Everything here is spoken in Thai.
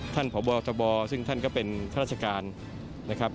พบทบซึ่งท่านก็เป็นข้าราชการนะครับ